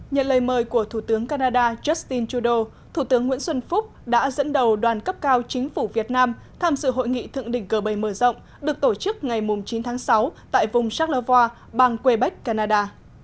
nhận lời mời của thủ tướng canada justin trudeau thủ tướng nguyễn xuân phúc đã dẫn đầu đoàn cấp cao chính phủ việt nam tham dự hội nghị thượng đỉnh g bảy mở rộng được tổ chức ngày chín tháng sáu tại vùng charleva bang quebec canada